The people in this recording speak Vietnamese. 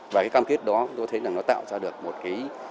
và cái cam kết đó tôi thấy là nó tạo ra được một cái